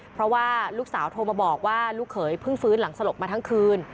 เพราะว่าลูกสาวโทรมาบอกว่าลูกเขยเพิ่งฟื้นหลังสลบมาทั้งคืน